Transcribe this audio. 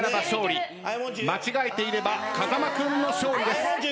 間違えていれば風間君の勝利です。